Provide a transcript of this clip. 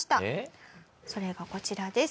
それがこちらです。